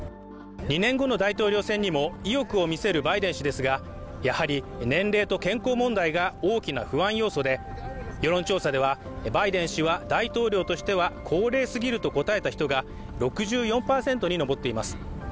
２年後の大統領選にも意欲を見せるバイデン氏ですが、やはり年齢と健康問題が大きな不安要素で世論調査では、バイデン氏は大統領としては高齢すぎると答えた人が６４％に上っています。